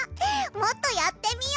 もっとやってみよ！